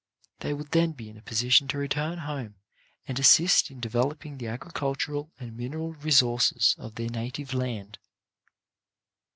They would then be in a position to return home and assist in developing the agricultural and mineral resources of their native land.